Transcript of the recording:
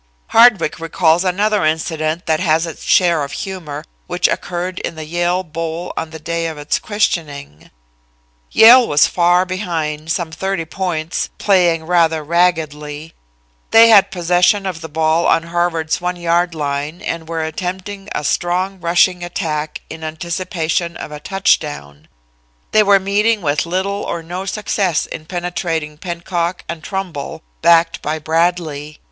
'" Hardwick recalls another incident that has its share of humor, which occurred in the Yale bowl on the day of its christening. "Yale was far behind some thirty points playing rather raggedly. They had possession of the ball on Harvard's 1 yard line and were attempting a strong rushing attack in anticipation of a touchdown. They were meeting with little or no success in penetrating Pennock and Trumbull, backed by Bradlee.